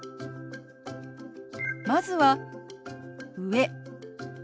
まずは「上」。